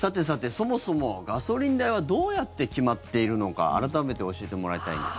そもそもガソリン代はどうやって決まっているのか改めて教えてもらいたいです。